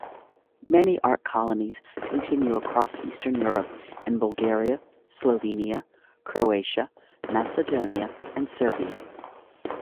Many art colonies continue across Eastern Europe in Bulgaria, Slovenia, Croatia, Macedonia and Serbia.